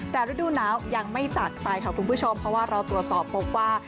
แต่ฤดูหนาวยังไม่จัดไปค่ะคุณผู้ชมเพราะว่าเราตรวจสอบพบว่า